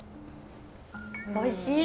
おいしい！